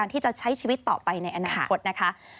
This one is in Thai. ที่จะใช้ชีวิตต่อไปในอนาคตนะคะ